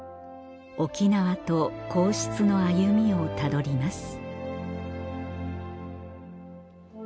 沖縄と皇室の歩みをたどります